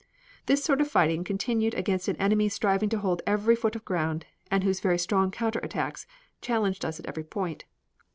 This sort of fighting continued against an enemy striving to hold every foot of ground and whose very strong counter attacks challenged us at every point.